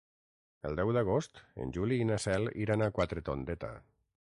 El deu d'agost en Juli i na Cel iran a Quatretondeta.